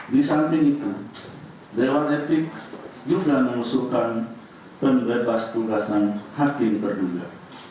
di samping itu dewan etik juga mengusulkan pembebas tugasan hakim terduga